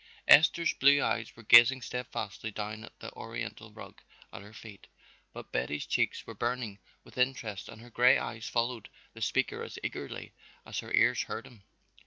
Esther's blue eyes were gazing steadfastly down at the oriental rug at her feet, but Betty's cheeks were burning with interest and her gray eyes followed the speaker as eagerly as her ears heard him.